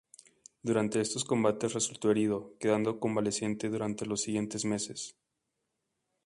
Durante estos combates resultó herido, quedando convaleciente durante los siguientes meses.